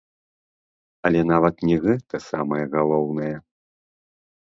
Але нават не гэта самае галоўнае.